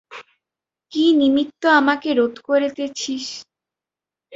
কী নিমিত্ত আমাকে রোধ করিতেছিস?